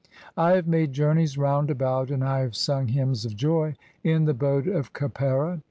I have made journeys round about and I have sung "hymns of joy in the boat of Khepera.